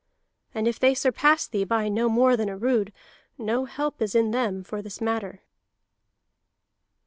And if they surpass thee by no more than a rood, no help is in them for this matter."